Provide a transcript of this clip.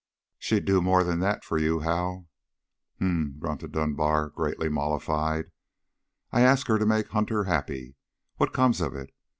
"She'd do more than that for you, Hal." "H'm," grunted Dunbar, greatly mollified. "I ask her to make Hunter happy. What comes of it?